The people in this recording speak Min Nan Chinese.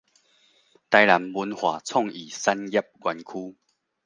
臺南文化創意產業園區